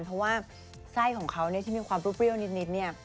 เพราะว่าไส้ของเขาที่มีความปรุ๊บเปรี้ยวนิดเนี่ย